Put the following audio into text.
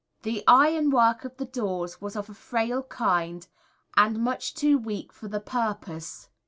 The ironwork of the doors was of a frail kind, and much too weak for the purpose.